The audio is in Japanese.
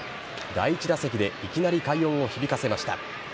第１打席でいきなり快音を響かせました。